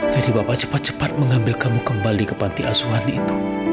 jadi bapak cepat cepat mengambil kamu kembali ke panti asuhan itu